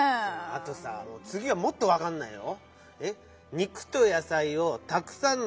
あとさつぎはもっとわかんないよ。